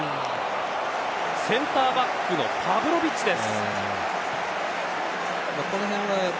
センターバックパヴロヴィッチです。